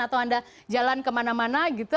atau anda jalan kemana mana gitu